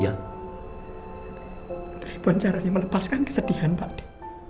tapi bagaimana cara melepaskan kesedihan pakde